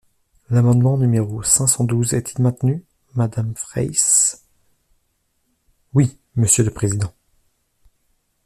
L’amendement numéro cinq cent douze est-il maintenu, madame Fraysse ? Oui, monsieur le président.